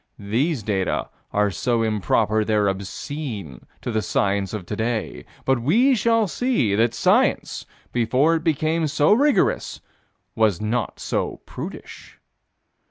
These data are so improper they're obscene to the science of today, but we shall see that science, before it became so rigorous, was not so prudish.